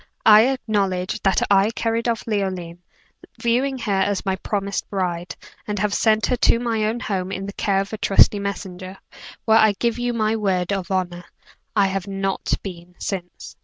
I acknowledge that I carried off Leoline, viewing her as my promised bride, and have sent her to my own home in the care of a trusty messenger, where I give you my word of honor, I have not been since.